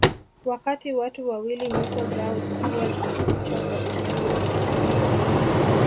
Wakati watu wawili nyuso zao zikiwa zimefichwa kwa vinyago nyeusi